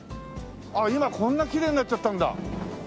ああ今こんなきれいになっちゃったんだ。